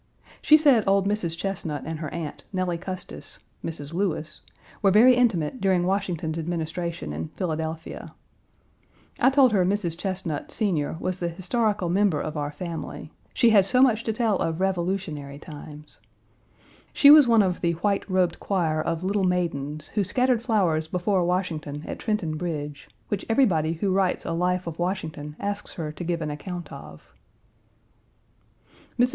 She said old Mrs. Chesnut and her aunt, Nellie Custis (Mrs. Lewis) were very intimate during Washington's Administration in Philadelphia. I told her Mrs. Chesnut, senior, was the historical member 1. The battle of Brandy Station, Va., occurred June 9, 1863. Page 237 of our family; she had so much to tell of Revolutionary times. She was one of the "white robed choir" of little maidens who scattered flowers before Washington at Trenton Bridge, which everybody who writes a life of Washington asks her to give an account of. Mrs.